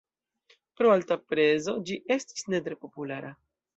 Pro alta prezo ĝi estis ne tre populara.